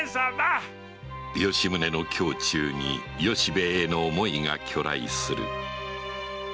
吉宗の胸中に由兵衛への思いが去来する